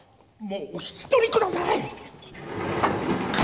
もうお引き取り下さい！